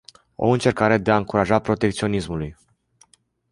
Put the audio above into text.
O încercare de a încuraja protecționismului?